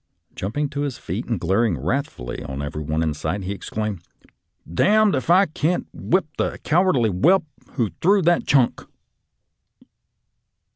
Jump ing to his feet and glaring wrathfully on every body in sight, he exclaimed, " D d if I can't whip the cowardly whelp who threw that chunk